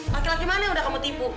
laki laki mana yang udah kamu tipu